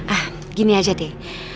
ah gini aja deh